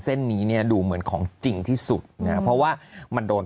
เส้นนี้เนี่ยดูเหมือนของจริงที่สุดนะเพราะว่ามันโดน